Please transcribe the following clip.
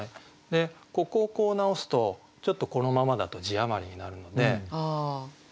ここをこう直すとこのままだと字余りになるので。